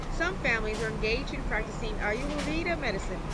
Some families are engaged in practicing Ayurveda medicine.